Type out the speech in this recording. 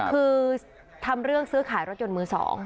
คือทำเรื่องซื้อขายรถยนต์มือ๒